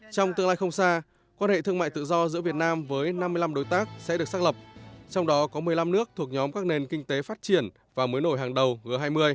trong tương lai không xa quan hệ thương mại tự do giữa việt nam với năm mươi năm đối tác sẽ được xác lập trong đó có một mươi năm nước thuộc nhóm các nền kinh tế phát triển và mới nổi hàng đầu g hai mươi